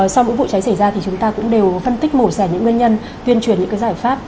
sau những vụ cháy xảy ra thì chúng ta cũng đều phân tích mổ rẻ những nguyên nhân tuyên truyền những giải pháp